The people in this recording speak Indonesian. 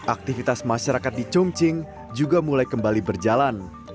aktivitas masyarakat di chongqing juga mulai kembali berjalan